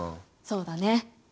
そうだね。